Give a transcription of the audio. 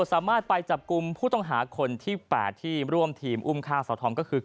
สามารถไปจับกลุ่มผู้ต้องหาคนที่๘ที่ร่วมทีมอุ้มฆ่าสาวทอมก็คือ